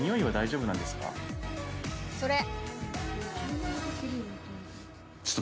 それ！